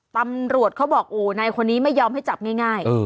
ตำรวจเขาบอกโอ้นายคนนี้ไม่ยอมให้จับง่าย